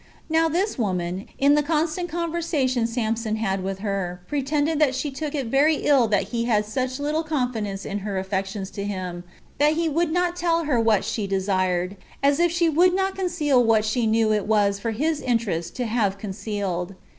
Now this woman, in the constant conversation Samson had with her, pretended that she took it very ill that he had such little confidence in her affections to him, that he would not tell her what she desired, as if she would not conceal what she knew it was for his interest to have concealed.